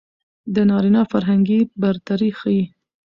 د نارينه فرهنګي برتري ښيي.